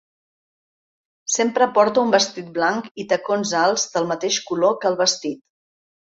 Sempre porta un vestit blanc i tacons alts del mateix color que el vestit.